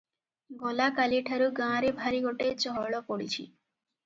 ଗଲା କାଲିଠାରୁ ଗାଁରେ ଭାରି ଗୋଟାଏ ଚହଳ ପଡିଛି ।